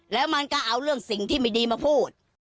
แล้วมันก็เอาเรื่องสิ่งที่ไม่ดีมาพูด